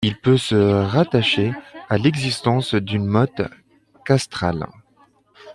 Il peut se rattacher à l’existence d’une motte castrale.